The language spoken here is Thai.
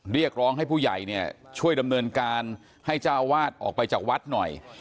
เรียกร้องให้ผู้ใหญ่เนี่ยช่วยดำเนินการให้เจ้าอาวาสออกไปจากวัดหน่อย